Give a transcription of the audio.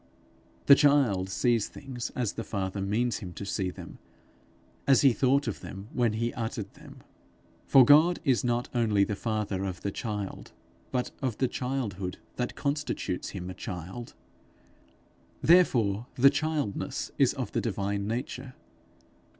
The child sees things as the Father means him to see them, as he thought of them when he uttered them. For God is not only the father of the child, but of the childhood that constitutes him a child, therefore the childness is of the divine nature.